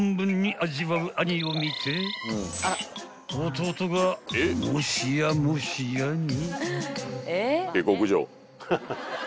［弟がもしやもしやに］